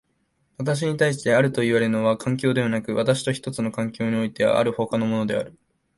私に対してあるといわれるのは環境でなく、私と一つの環境においてある他のものである。